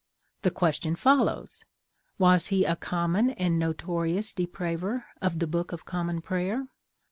The Question follows, Was he a common and notorious depraver of the Book of Common Prayer?